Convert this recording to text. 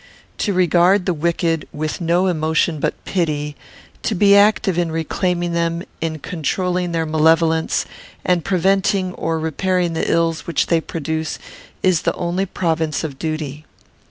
To regard the wicked with no emotion but pity, to be active in reclaiming them, in controlling their malevolence, and preventing or repairing the ills which they produce, is the only province of duty.